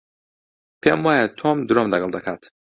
پێم وایە تۆم درۆم لەگەڵ دەکات.